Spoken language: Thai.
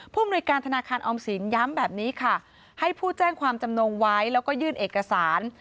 มนุยการธนาคารออมสินย้ำแบบนี้ค่ะให้ผู้แจ้งความจำนงไว้แล้วก็ยื่นเอกสาร